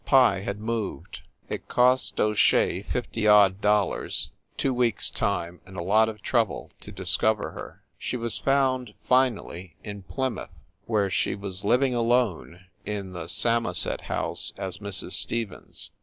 Pye had moved. It cost O Shea fifty odd dollars, two weeks time and a lot of trouble to dis cover her. She was found, finally, in Plymouth, where she was living alone in the Samoset House, as Mrs. Stevens.